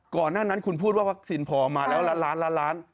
ก่อนหน้านั้นคุณพูดว่าวัคซีนพอมาแล้วล้านล้าน